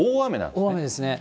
大雨ですね。